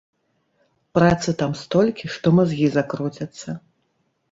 Працы там столькі, што мазгі закруцяцца.